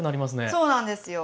そうなんですよ。